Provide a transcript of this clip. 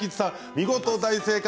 見事、大正解！